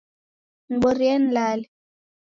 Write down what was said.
Niborie nilale